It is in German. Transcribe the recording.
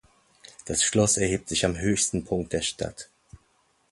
Das Schloss erhebt sich am höchsten Punkt der Stadt.